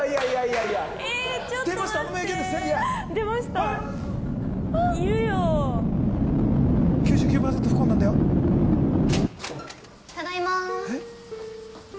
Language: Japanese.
ただいま。